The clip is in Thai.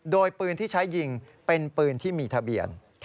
โดยปืนที่ใช้ยิงเป็นปืนที่มีทะเบียน